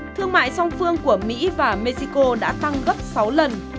thương mại song phương của mỹ và mexico đã tăng gấp sáu lần